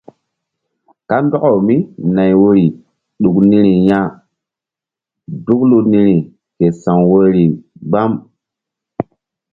Kandɔkawmínay woyri ɗuk niri ya duklu niri ke sa̧w woyri gbam.